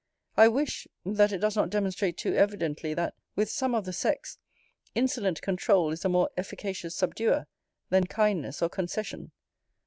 I wish, that it does not demonstrate too evidently, that, with some of the sex, insolent controul is a more efficacious subduer than kindness or concession.